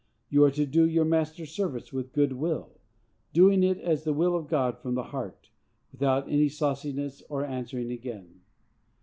You are to do your masters' service with good will, doing it as the will of God from the heart, without any sauciness or answering again.